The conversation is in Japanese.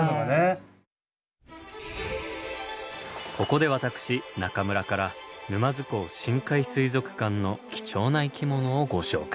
ここで私中村から沼津港深海水族館の貴重な生き物をご紹介。